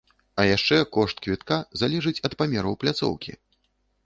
А яшчэ кошт квітка залежыць ад памераў пляцоўкі!